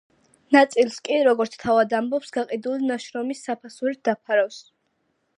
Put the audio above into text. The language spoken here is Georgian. ნაწილს კი, როგორც თავად ამბობს, გაყიდული ნაშრომის საფასურით დაფარავს.